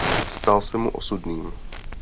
Stal se mu osudným.